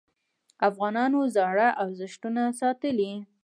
افغانانو زاړه ارزښتونه ساتلي.